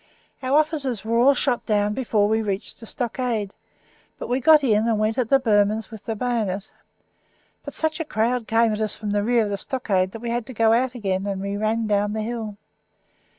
Our officers were all shot down before we reached the stockade, but we got in, and went at the Burmans with the bayonet. But such a crowd came at us from the rear of the stockade that we had to go out again, and we ran down the hill.